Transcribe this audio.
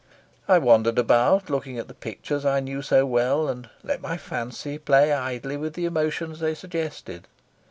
I wandered about looking at the pictures I knew so well, and let my fancy play idly with the emotions they suggested.